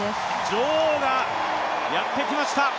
女王がやってきました。